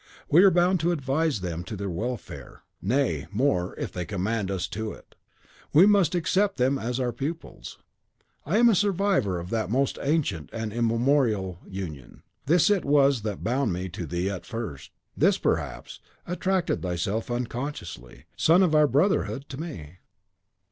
We are bound to advise them to their welfare; nay, more, if they command us to it, we must accept them as our pupils. I am a survivor of that most ancient and immemorial union. This it was that bound me to thee at the first; this, perhaps, attracted thyself unconsciously, Son of our Brotherhood, to me."